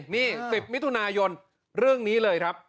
นี่๑๐มิถุนายนเรื่องนี้เลยครับ